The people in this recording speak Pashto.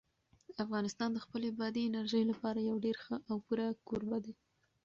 افغانستان د خپلې بادي انرژي لپاره یو ډېر ښه او پوره کوربه دی.